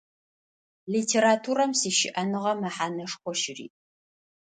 Литературэм сищыӏэныгъэ мэхьанэшхо щыриӏ.